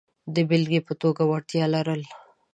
د بېلګې په توګه وړتیا لرل.